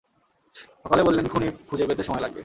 সকালে বললেন, খুনি খুঁজে পেতে সময় লাগবে।